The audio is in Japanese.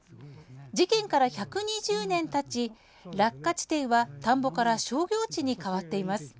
事件から１２０年たち落下地点は田んぼから商業地に変わっています。